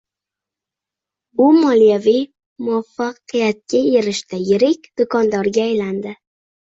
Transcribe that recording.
U moliyaviy muvaffaqiyatga erishdi, yirik do`kondorga aylandi